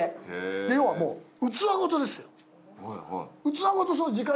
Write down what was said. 要はもう器ごとですよ。